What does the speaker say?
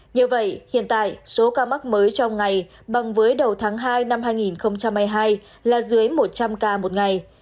như vậy hiện tại số ca mắc mới trong ngày bằng với đầu tháng hai năm hai nghìn hai mươi hai là dưới một trăm linh ca một ngày